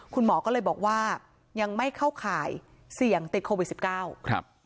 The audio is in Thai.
คุณหมอก็เลยบอกว่ายังไม่เข้าข่ายเสี่ยงติดโควิด๑๙